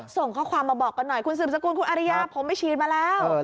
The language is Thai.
ส่งข้อความมาบอกกันหน่อยคุณสืบสกุลคุณอริยาผมไปฉีดมาแล้ว